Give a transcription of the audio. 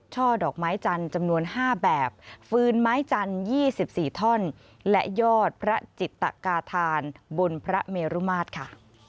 ช่อดอกไม้จันจำนวงห้าแบบฟื้นไม้จันยี่สิบสี่ท่อนและยอดพระจิตกาธานบนพระเมรุมาธค่ะ